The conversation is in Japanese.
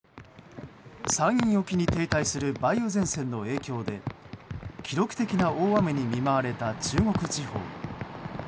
山陰沖に停滞する梅雨前線の影響で記録的な大雨に見舞われた中国地方。